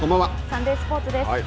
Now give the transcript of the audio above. サンデースポーツです。